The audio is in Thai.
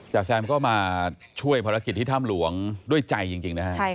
แซมก็มาช่วยภารกิจที่ถ้ำหลวงด้วยใจจริงนะฮะ